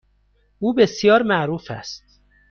او بسیار معروف است.